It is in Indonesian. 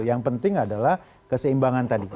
yang penting adalah keseimbangan tadi